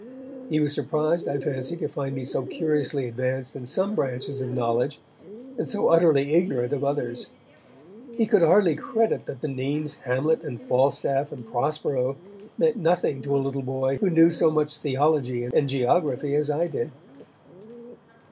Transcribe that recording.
He was surprised, I fancy, to find me so curiously advanced in some branches of knowledge, and so utterly ignorant of others. He could hardly credit that the names of Hamlet and Falstaff and Prospero meant nothing to a little boy who knew so much theology and geography as I did.